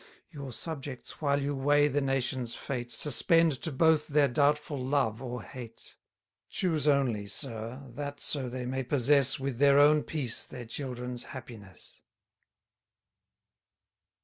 Your subjects, while you weigh the nation's fate, Suspend to both their doubtful love or hate: Choose only, Sir, that so they may possess, With their own peace their children's happiness.